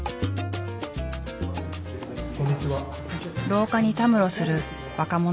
廊下にたむろする若者がいた。